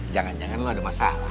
jangan jangan lo ada masalah